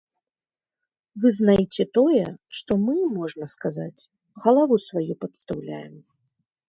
Вы знайце тое, што мы, можна сказаць, галаву сваю падстаўляем.